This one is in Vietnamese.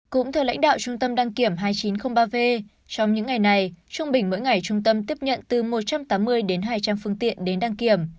cũng theo lãnh đạo trung tâm đăng kiểm hai nghìn chín trăm linh ba v trong những ngày này trung bình mỗi ngày trung tâm tiếp nhận từ một trăm tám mươi đến hai trăm linh phương tiện đến đăng kiểm